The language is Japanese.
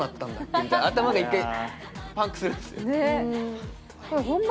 みたいな頭が１回パンクするんですよ。ね。